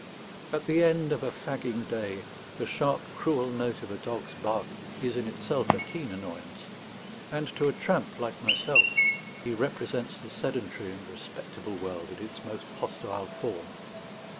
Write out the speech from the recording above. At the end of a fagging day, the sharp, cruel note of a dog's bark is in itself a keen annoyance; and to a tramp like myself, he represents the sedentary and respectable world in its most hostile form.